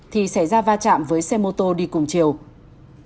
thì xảy ra va chạm với xe mô tô đi cùng chiếc xe